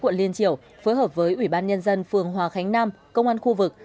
quận liên triểu phối hợp với ủy ban nhân dân phường hòa khánh nam công an khu vực